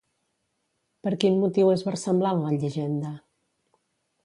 Per quin motiu és versemblant la llegenda?